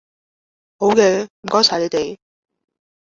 好嘅，唔該曬你哋